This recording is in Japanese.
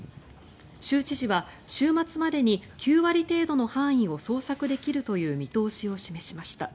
州知事は週末までに９割程度の範囲を捜索できるという見通しを示しました。